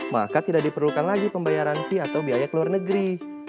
maka tidak diperlukan lagi pembayaran fee atau biaya keluar negeri